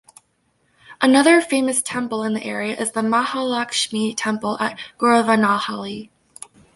Another famous temple in the area is the Mahalakshmi Temple at Goravanahalli.